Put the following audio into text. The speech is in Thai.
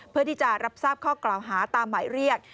เพื่อที่จะรับทราบข้อกล่าวหาตามหมายเรียก